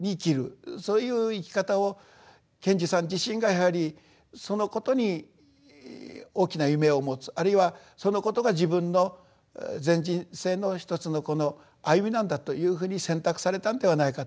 そういう生き方を賢治さん自身がやはりそのことに大きな夢を持つあるいはそのことが自分の全人生の一つの歩みなんだというふうに選択されたんではないかと。